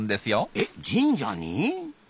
えっ神社に！？